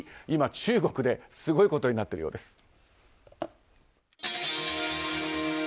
今、中国ですごいことになっているようです。